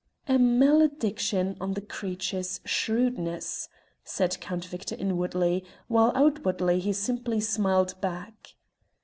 "A malediction on the creature's shrewdness!" said Count Victor inwardly, while outwardly he simply smiled back.